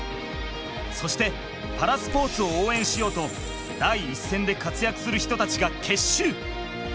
そしてパラスポーツを応援しようと第一線で活躍する人たちが結集。